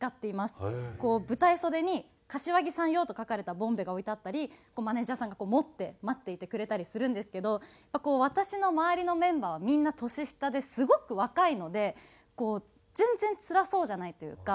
こう舞台袖に「柏木さん用」と書かれたボンベが置いてあったりマネジャーさんがこう持って待っていてくれたりするんですけど私の周りのメンバーはみんな年下ですごく若いのでこう全然つらそうじゃないというか。